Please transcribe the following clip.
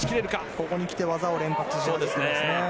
ここに来て技を連発していますね。